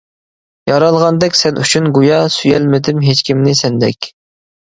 يارالغاندەك سەن ئۈچۈن گويا، سۆيەلمىدىم ھېچكىمنى سەندەك.